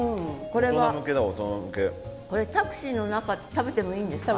これタクシーの中で食べてもいいんですか？